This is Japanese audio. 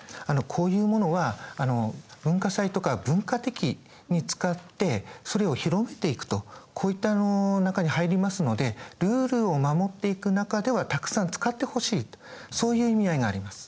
こういうものは文化祭とか文化的に使ってそれを広めていくとこういった中に入りますのでルールを守っていく中ではたくさん使ってほしいとそういう意味合いがあります。